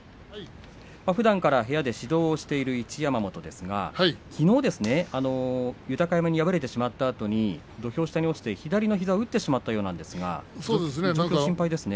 ふだんから部屋で指導されている一山本ですがきのう豊山に敗れてしまったあとに土俵下に落ちて左の膝を打ってしまったようですがちょっと心配ですね。